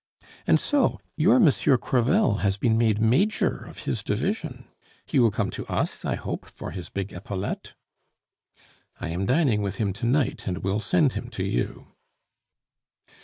And so your Monsieur Crevel has been made Major of his division! He will come to us, I hope, for his big epaulette." "I am dining with him to night, and will send him to you."